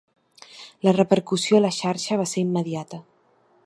La repercussió a la xarxa va ser immediata.